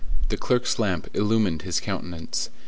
The clerk's lamp illumined his countenance.